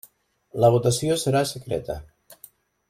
La votació serà secreta.